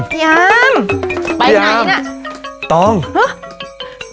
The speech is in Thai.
พี่อัมไปต่อห่ะ